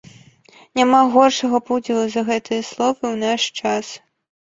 Няма горшага пудзіла за гэтыя словы ў наш час.